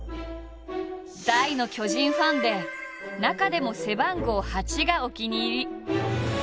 大の巨人ファンで中でも背番号「８」がお気に入り。